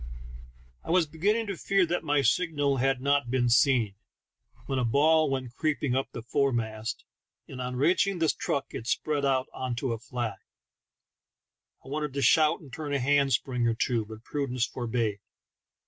I was beginning to fear that my signal had not been seen, when a ball went creeping up the fore mast, and on reaching the truck it spread out into a flag. I wanted to shout and turn a hand spring or two, but prudence forbade.